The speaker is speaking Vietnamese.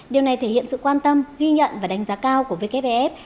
điều này thể hiện sự quan tâm ghi nhận và đánh giá cao của wfef